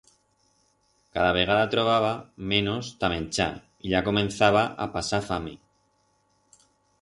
Cada vegada trobaba menos ta menchar y ya comenzaba a pasar fame.